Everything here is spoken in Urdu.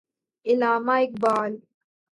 علامہ اقبال